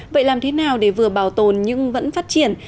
vậy làm thế nào để vừa bảo tồn nhưng vẫn phát triển